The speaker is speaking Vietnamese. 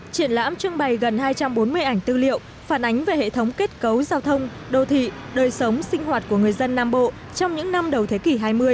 triển lãm trưng bày gần hai trăm bốn mươi ảnh tư liệu phản ánh về hệ thống kết cấu giao thông đô thị đời sống sinh hoạt của người dân nam bộ trong những năm đầu thế kỷ hai mươi